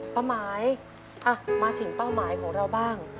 ป้าหมายมาถึงเป้าหมายของเราบ้าง